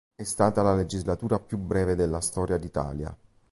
È stata la legislatura più breve della storia d'Italia.